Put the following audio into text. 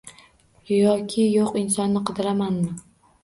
Yoki yo`q insonni qidiramanmi